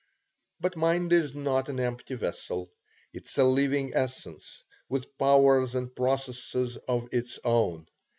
But mind is not an empty vessel. It is a living essence, with powers and processes of its own.